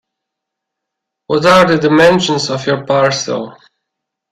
What are the dimensions of your parcel?